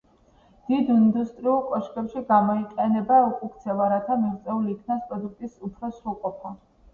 დიდ ინდუსტრიულ კოშკებში გამოიყენება უკუქცევა, რათა მიღწეულ იქნას პროდუქტის უფრო სრული გაყოფა.